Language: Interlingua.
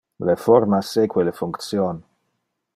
Le forma seque le function.